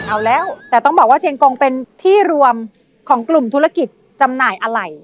เอาแล้วแต่ต้องบอกว่าเชียงกงเป็นที่รวมของกลุ่มธุรกิจจำหน่ายอะไหล่